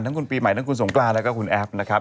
ทั้งคุณปีใหม่ทั้งคุณสงกรานแล้วก็คุณแอฟนะครับ